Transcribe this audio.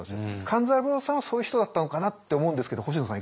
勘三郎さんはそういう人だったのかなと思うんですけど星野さん